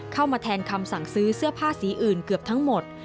เข้ามาแทนคำสั่งซื้อเสื้อผ้าสีอื่นเกือบทั้งหมด